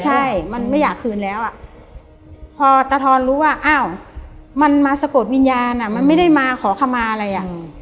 ใช่มันไม่อยากคืนแล้วอ่ะพอตาทอนรู้ว่าอ้าวมันมาสะกดวิญญาณอ่ะมันไม่ได้มาขอคำมาอะไรอ่ะ